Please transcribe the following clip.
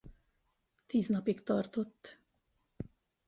Tíz napig tartott.